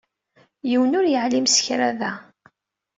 Yiwen ur yeɛlim s kra da.